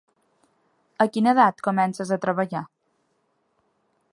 A quina edat comences a treballar?